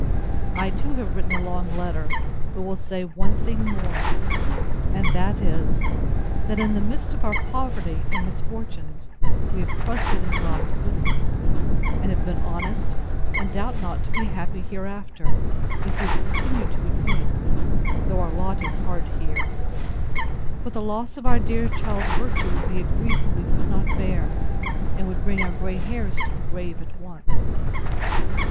I, too, have written a long letter, but will say one thing more; and that is, that, in the midst of our poverty and misfortunes, we have trusted in God's goodness, and been honest, and doubt not to be happy hereafter, if we continue to be good, though our lot is hard here; but the loss of our dear child's virtue would be a grief that we could not bear, and would bring our grey hairs to the grave at once.